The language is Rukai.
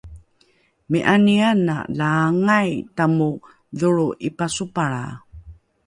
Mi'ani ana laangai tamo dholro 'ipasopalra?